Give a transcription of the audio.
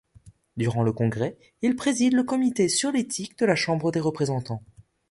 Durant le congrès, il préside le comité sur l'éthique de la Chambre des représentants.